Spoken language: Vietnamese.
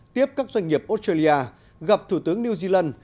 tiếp các doanh nghiệp australia gặp thủ tướng new zealand